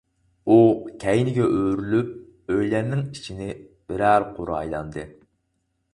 -ئۇ كەينىگە ئۆرۈلۈپ، ئۆيلەرنىڭ ئىچىنى بىرەر قۇر ئايلاندى.